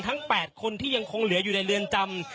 ทั้งแปดที่ยังคงเหลืออยู่ในเรือนจำ